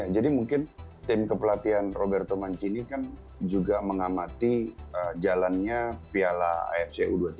jadi mungkin tim kepelatihan roberto mancini kan juga mengamati jalannya piala afc u dua puluh tiga